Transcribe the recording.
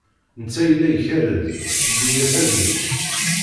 Netta yella ikerrez, tewwi-as ad yečč.